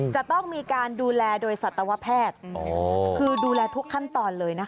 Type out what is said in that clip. จะต้องมีการดูแลโดยสัตวแพทย์คือดูแลทุกขั้นตอนเลยนะคะ